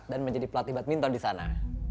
dan menjadi pelatih badminton disana